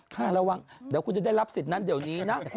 ค่ะระวังเดี๋ยวคุณจะได้รับสิทธิ์นั้นเดี๋ยวนี้นะ